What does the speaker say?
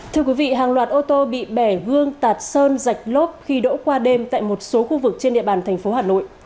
thưa quý vị hàng loạt ô tô bị bẻ gương tạt sơn dạch lốp khi đỗ qua đêm tại một số khu vực trên địa bàn thành phố hà nội